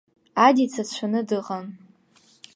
Адица дшәаны дыҟан.